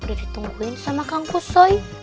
udah ditungguin sama kangkusoy